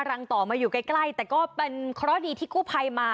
รังต่อมาอยู่ใกล้ใกล้แต่ก็เป็นข้อดีที่กู้ภัยมา